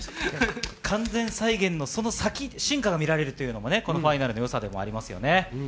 完全再現のその先に進化が見られるというのもね、このＦＩＮＡＬのよさでもありますよね。